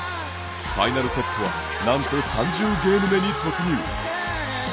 ファイナルセットはなんと３０ゲーム目に突入。